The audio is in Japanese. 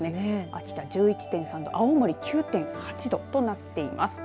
秋田１１．３度青森９．８度となっています。